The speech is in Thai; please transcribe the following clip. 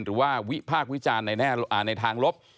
หรือว่าวิภาควิจารณ์ในทางลบ